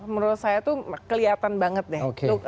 menurut saya itu keliatan banget nih